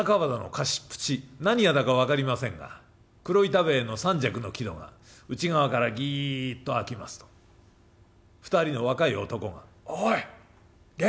何屋だか分かりませんが黒板塀の三尺の木戸が内側からギッと開きますと２人の若い男が「おい源どん何やってんだよ。